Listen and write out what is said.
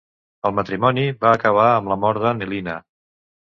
El matrimoni va acabar amb la mort de Nelina.